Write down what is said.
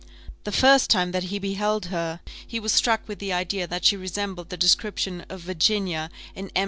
The first time that he beheld her, he was struck with the idea that she resembled the description of Virginia in M.